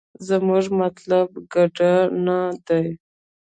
زمونګه مطلوب ګډا نه دې.